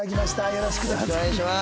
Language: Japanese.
よろしくお願いします。